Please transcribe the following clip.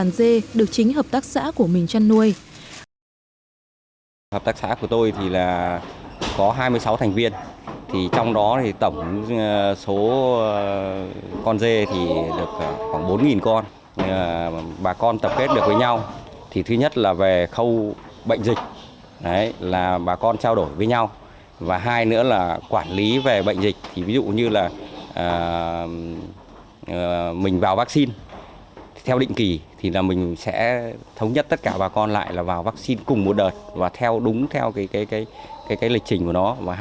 mô hình dưa lưới thì lúc đầu chúng tôi chỉ làm nhỏ lẻ nhưng sau thấy hiệu quả kinh tế cao so với hiện ra